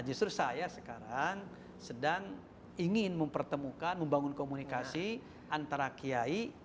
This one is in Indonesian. justru saya sekarang sedang ingin mempertemukan membangun komunikasi antara kiai